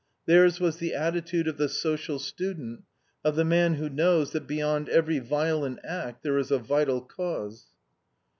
Theirs was the attitude of the social student, of the man who knows that beyond every violent act there is a vital cause.